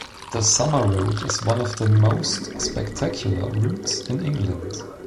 The Summer Road is one of the most spectacular routes in England.